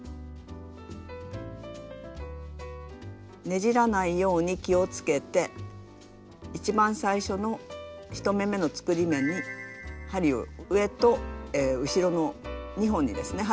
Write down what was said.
ねじらないように気をつけて一番最初の１目めの作り目に針を上と後ろの２本にですね